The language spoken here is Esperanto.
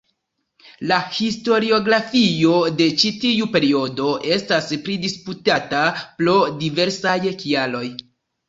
La historiografio de ĉi tiu periodo estas pridisputata pro diversaj kialoj.